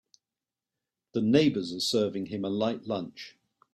The neighbors are serving him a light lunch.